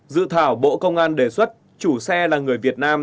dự thảo bộ công an đề xuất chủ xe là người việt nam